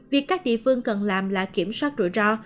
việc các địa phương cần làm là kiểm soát rủi ro